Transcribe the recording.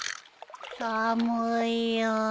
寒いよ。